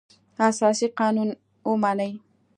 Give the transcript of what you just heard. اساسي قانون ومني.